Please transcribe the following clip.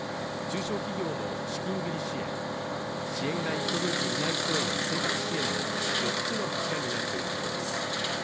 中小企業の資金繰り支援、支援が行き届いていない人への生活支援の４つの柱になるということです。